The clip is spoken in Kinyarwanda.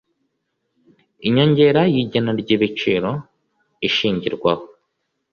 inyongera y igena ry ibiciro ishingirwaho